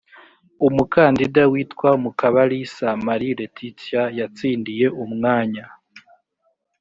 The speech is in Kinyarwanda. umukandida witwa mukabalisa marie laetitia yatsindiye umwanya.